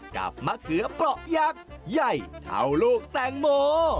มะเขือเปราะยักษ์ใหญ่เท่าลูกแตงโม